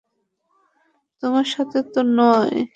তোমার সাথে তো নয়ই।